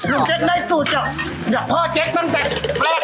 ลุงเจ๊กได้สู่จับเดือกพ่อเจ๊กตั้งแต่พลาดส่วนเลย